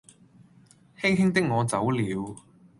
輕輕的我走了